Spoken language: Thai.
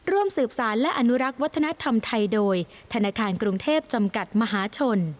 ร่วมสืบสารและอนุรักษ์วัฒนธรรมไทยโดยธนาคารกรุงเทพจำกัดมหาชน